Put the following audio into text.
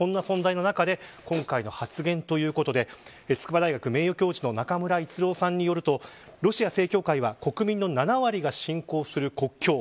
そんな存在の中で、今回の発言ということで筑波大学名誉教授の中村逸郎さんによるとロシア正教会は国民の７割が信仰する国境。